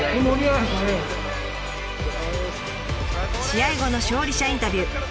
試合後の勝利者インタビュー。